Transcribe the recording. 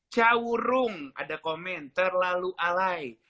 cawurung ada komentar terlalu alay